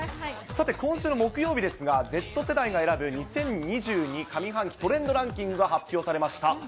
さて、今週の木曜日ですが、Ｚ世代が選ぶ２０２２上半期トレンドランキングが発表されました。